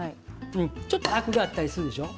ちょっとアクがあったりするでしょ。